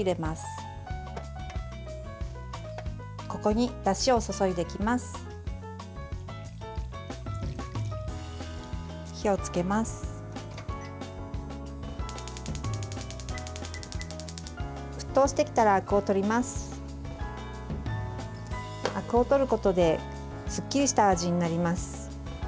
あくをとることですっきりした味になります。